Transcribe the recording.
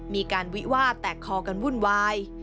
มีการวิวาดแตกคอกันวุ่นวาย